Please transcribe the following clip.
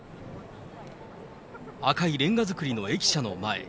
赤いれんが造りの駅舎の前。